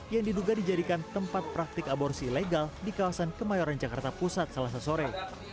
yang diduga dijadikan tempat praktik aborsi ilegal di kawasan kemayoran jakarta pusat selasa sore